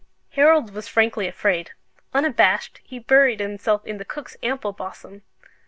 Harold was frankly afraid: unabashed, he buried himself in the cook's ample bosom.